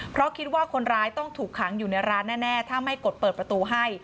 เพราะคิดว่าคนร้ายต้องถูกขังอยู่ในร้านแน่ถ้าไม่กดเปิดประตูให้